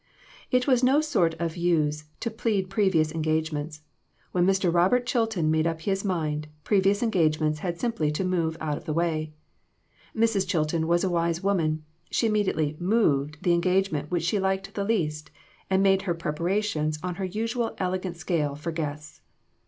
It was no sort of use to plead previous engage ments ; when Mr. Robert Chilton made up his mind, previous engagements had simply to move out of the way. Mrs. Chilton was a wise woman ; she immediately "moved" the engagement which she liked the least, and made her preparations on her usual elegant scale, for guests.